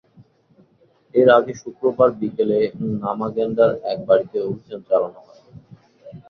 এর আগে শুক্রবার বিকেলে নামা গেন্ডার এক বাড়িতে অভিযান চালানো হয়।